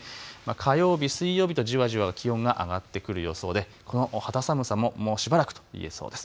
火曜日、水曜日とじわじわ気温が上がってくる予想でこの肌寒さももうしばらくといえそうです。